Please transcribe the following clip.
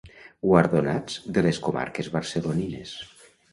Guardonats de les comarques barcelonines.